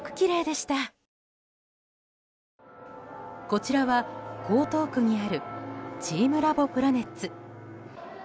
こちらは江東区にあるチームラボプラネッツ。